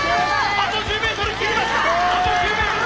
あと１０メートル切りました！